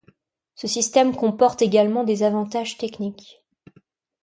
Ce système comporte également des avantages techniques.